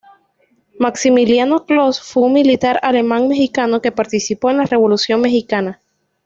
Maximiliano Kloss fue un militar alemán-mexicano que participó en la Revolución mexicana.